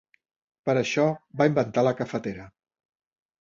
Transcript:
Per això, va inventar la cafetera.